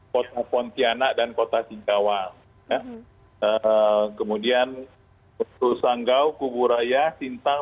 kota pontianak dan kota singkawang